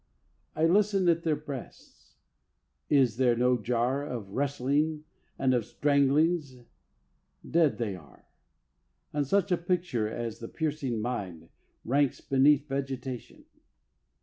I listen at their breasts: is there no jar Of wrestlings and of stranglings, dead they are, And such a picture as the piercing mind Ranks beneath vegetation.